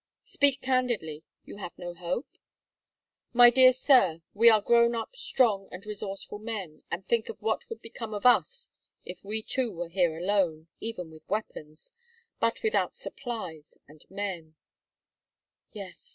"Speak candidly. You have no hope?" "My dear sir, we are grown up, strong, and resourceful men, and think of what would become of us if we two were here alone, even with weapons but without supplies and men " "Yes!